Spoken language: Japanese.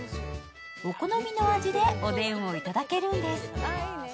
お好みの味でおでんをいただけるんです。